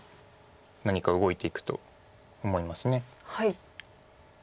何か動いていくと思います。